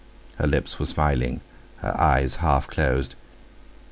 Her lips were smiling, her eyes half closed.